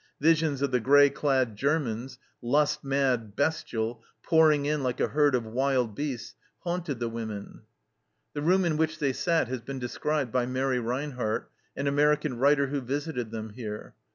Visions of the grey clad Germans, lust mad, bestial, pouring in like a herd of wild beasts, haunted the women. The room in which they sat has been described by Mary Rinehart, an American writer, who visited them here.